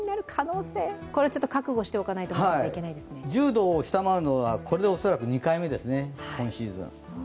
１０度を下回るのはこれで恐らく２回目ですね、今シーズン。